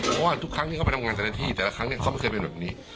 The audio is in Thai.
เพราะว่าทุกครั้งที่เขาไปทำงานแต่ละที่แต่ละครั้งเนี่ยเขาไม่เคยเป็นแบบนี้